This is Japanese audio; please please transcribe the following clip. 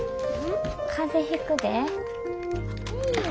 風邪ひくで。